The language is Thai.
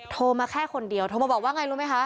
โทรมาแค่คนเดียวโทรมาบอกว่าไงรู้ไหมคะ